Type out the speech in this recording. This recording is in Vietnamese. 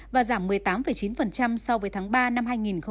và giảm một mươi tám chín so với tháng ba năm hai nghìn hai mươi